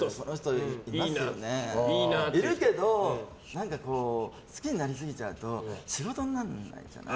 いるけど好きになりすぎちゃうと仕事にならないじゃない。